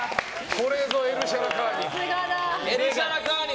これぞエルシャラカーニ。